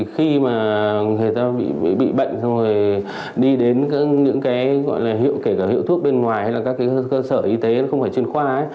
khi mà người ta bị bệnh rồi đi đến những cái gọi là hiệu thuốc bên ngoài hay là các cái cơ sở y tế không phải chuyên khoa ấy